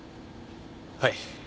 はい。